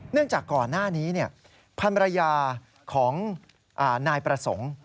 เนื่องจากก่อนหน้านี้ภรรยาของนายประสงค์